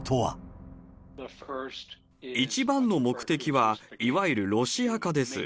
一番の目的は、いわゆるロシア化です。